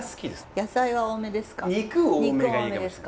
野菜は多めですか？